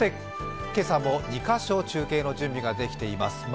今朝も２カ所中継の準備ができています。